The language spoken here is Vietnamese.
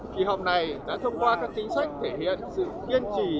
kỳ họp này đã thông qua các chính sách thể hiện sự kiên trì